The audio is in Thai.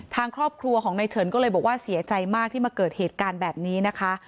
ทางครอบครัวของในเฉินก็เลยบอกว่าเสียใจมากที่มาเกิดเหตุการณ์แบบนี้นะคะ